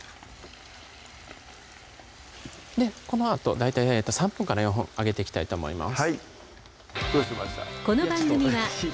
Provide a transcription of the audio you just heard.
このあと大体３分４分揚げていきたいと思います